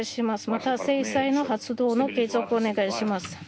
また、制裁の発動の継続をお願いします。